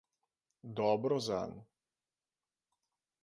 Dobro zanj.